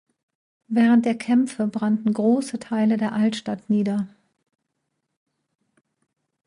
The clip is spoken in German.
Während der Kämpfe brannten große Teile der Altstadt nieder.